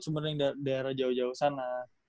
sebenernya di daerah jauh jauh sana